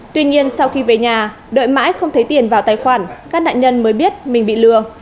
tuy nhiên sau khi về nhà đợi mãi không thấy tiền vào tài khoản các nạn nhân mới biết mình bị lừa